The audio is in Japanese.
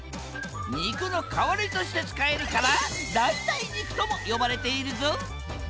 肉の代わりとして使えるから代替肉とも呼ばれているぞ！